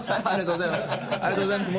ありがとうございます。